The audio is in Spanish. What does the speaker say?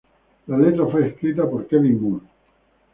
La letra fue escrita por Kevin Moore.